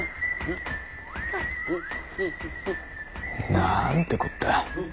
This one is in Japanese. なんてこった。